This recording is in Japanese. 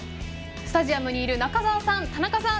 スタジアムにいる中澤さん、田中さん